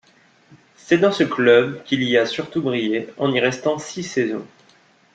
C'est dans ce club qu'il a surtout brillé, en y restant six saisons.